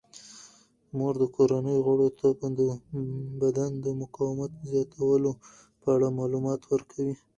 مور د کورنۍ غړو ته د بدن د مقاومت زیاتولو په اړه معلومات ورکوي.